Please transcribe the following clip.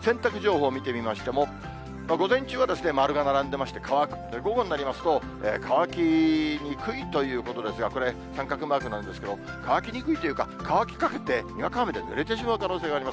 洗濯情報見てみましても、午前中は丸が並んでまして、乾くと、午後になりますと乾きにくいということですが、これ、三角マークなんですけれども、乾きにくいというか、乾きかけて、にわか雨でぬれてしまう可能性があります。